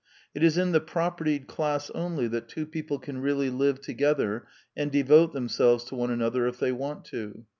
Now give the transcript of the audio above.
It is in the proper tied class only that two people can really live to gether and devote themselves to one another if they want to.